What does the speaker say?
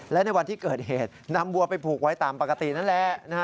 และในวันที่เกิดเหตุนำวัวไปผูกไว้ตามปกตินั่นแหละ